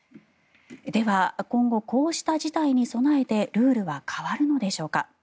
では今後、こうした事態に備えてルールは変わるのでしょうか。